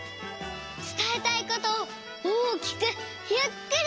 つたえたいことを大きくゆっくりはなす。